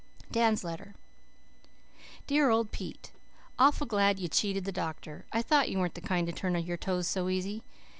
DAN'S LETTER "DEAR OLD PETE: Awful glad you cheated the doctor. I thought you weren't the kind to turn up your toes so easy.